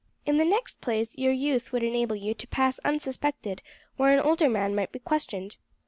In the next place, your youth would enable you to pass unsuspected where an older man might be questioned.